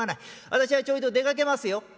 私はちょいと出かけますよ」。